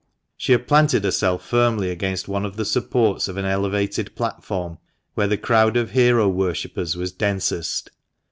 She had planted herself firmly against one of the supports of an elevated platform, where the crowd of hero worshippers was densest.